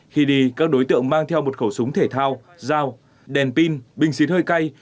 khi đi các đối tượng mang theo một khẩu súng thể thao dao đèn pin bình xí thơi cay